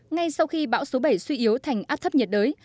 ngay sau khi bão số bảy suy yếu thành áp thấp nhiệt đới